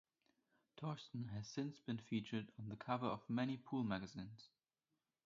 Thorsten has since been featured on the cover of many pool magazines.